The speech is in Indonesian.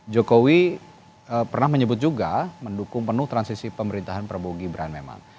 jokowi pernah menyebut juga mendukung penuh transisi pemerintahan prabowo gibran memang